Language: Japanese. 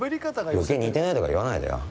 似てないとか言わないでよ。